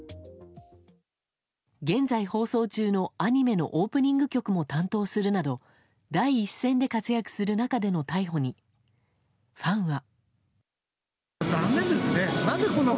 現在放送中のアニメのオープニング曲も担当するなど第一線で活躍する中での逮捕にファンは。